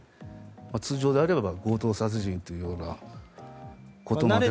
通常であれば強盗殺人というようなことまでは。